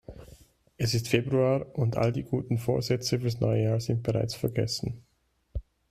Es ist Februar und all die guten Vorsätze fürs neue Jahr sind bereits vergessen.